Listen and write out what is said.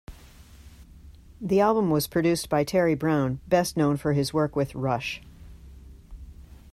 The album was produced by Terry Brown, best known for his work with Rush.